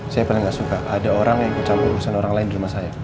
saya paling nggak suka ada orang yang ikut campur urusan orang lain di rumah saya